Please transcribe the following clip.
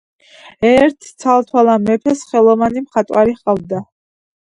ერთ ცალთვალა მეფეს ხელოვანი მხატვარი ჰყავდა